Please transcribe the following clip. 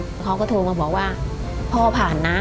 พ่อก็โทรมาบอกว่าพ่อผ่านนะ